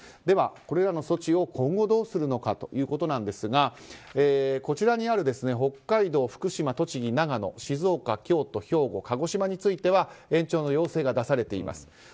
では、これらの措置を今後どうするのかということですがこちらにある北海道、福島、栃木、長野静岡、京都、兵庫鹿児島については延長の要請が出されています。